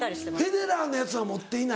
フェデラーのやつは持っていない？